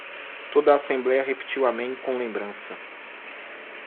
Toda a assembléia repetiu Amém com lembrança.